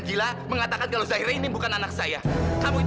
jangan jaga umur umur